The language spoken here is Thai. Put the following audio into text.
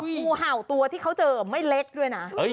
งูเห่าตัวที่เขาเจอไม่เล็กด้วยนะ